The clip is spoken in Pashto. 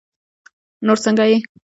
نور سنګه یی